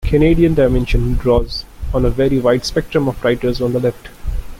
"Canadian Dimension" draws on a very wide spectrum of writers on the Left.